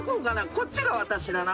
こっちが私だな